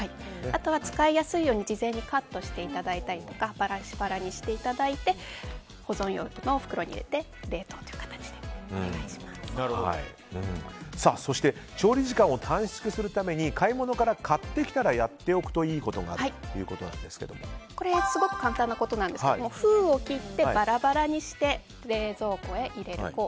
あとは使いやすいように事前にカットしていただいたりとかバラバラにしていただいて保存容器の袋に入れてそして、調理時間を短縮するために買い物から帰ってきたらやっておくといいことがすごく簡単なことなんですけど封を切ってバラバラにして冷蔵庫へ入れると。